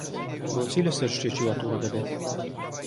بۆچی لەسەر شتێکی وا تووڕە دەبێت؟